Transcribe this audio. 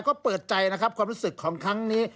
ก็เปิดใจนะครับความรู้สึกของครั้งนี้